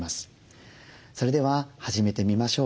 それでは始めてみましょう。